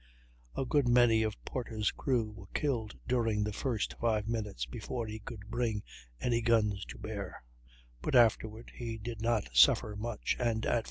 A good many of Porter's crew were killed during the first five minutes, before he could bring any guns to bear; but afterward he did not suffer much, and at 4.